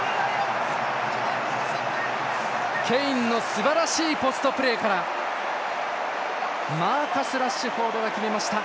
ケインのすばらしいポストプレーからマーカス・ラッシュフォードが決めました。